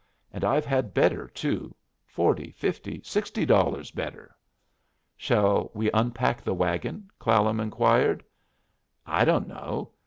And I've had better, too; forty, fifty, sixty dollars better." "Shall we unpack the wagon?" Clallam inquired. "I don't know.